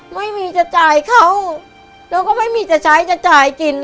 ไม่มีจะจ่ายเขาเราก็ไม่มีจะใช้จะจ่ายกิน